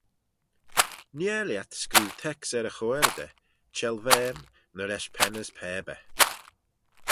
Nhare lhiat screeu teks er y choearrooder, çhellvane, ny lesh pen as pabyr?